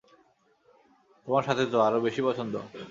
তোমার সাথে তো, আরো বেশি পছন্দ।